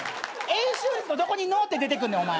円周率のどこに「の」って出てくんねんお前。